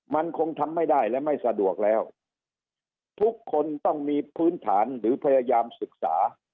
มันคงทำไม่ได้และไม่สะดวกแล้วทุกคนต้องมีพื้นฐานหรือพยายามศึกษา